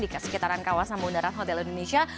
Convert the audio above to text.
di sekitaran kawasan bundaran hotel indonesia